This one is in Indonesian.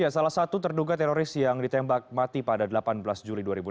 salah satu terduga teroris yang ditembak mati pada delapan belas juli dua ribu enam belas